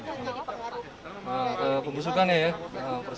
suhu dan kelembapan udara